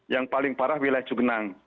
yang paling parah wilayah cugenang